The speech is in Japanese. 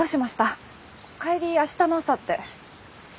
帰り明日の朝って。